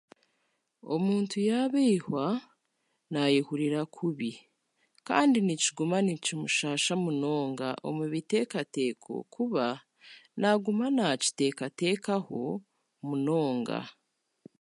Omuntu yaabaihwa, naayehurira kubi. Kandi nikiguma nikimushaasha munonga, omu biteekateeko kuba naaguma naakiteekateekaho munonga.